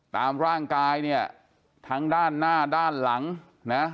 ตามร่างกายเนี่ยทั้งด้านหน้าด้านหลังนะ